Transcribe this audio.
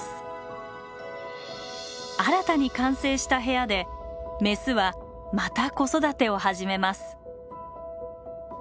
新たに完成した部屋でメスはまた子育てを始めます。